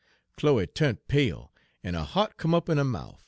"Chloe tu'nt pale, en her hea't come up in her mouf.